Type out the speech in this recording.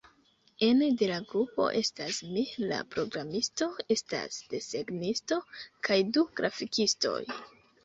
Ene de la grupo estas mi, la programisto, estas desegnisto kaj du grafikistoj.